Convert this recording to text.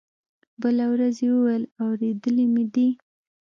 بله ورځ يې وويل اورېدلي مې دي.